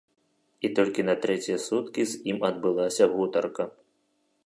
І толькі на трэція суткі з ім адбылася гутарка.